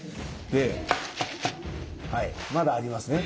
ではいまだありますね。